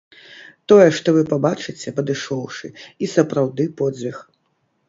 Тое, што вы пабачыце, падышоўшы, і сапраўды подзвіг.